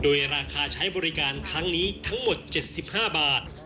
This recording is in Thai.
โดยราคาใช้บริการครั้งนี้ทั้งหมด๗๕บาท